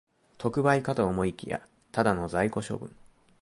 特売かと思いきや、ただの在庫処分